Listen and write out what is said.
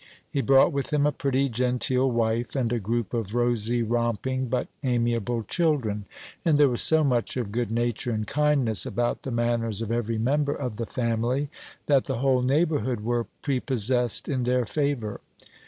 He brought with him a pretty, genteel wife, and a group of rosy, romping, but amiable children; and there was so much of good nature and kindness about the manners of every member of the family, that the whole neighborhood were prepossessed in their favor.